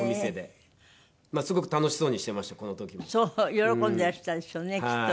喜んでらしたでしょうねきっとね。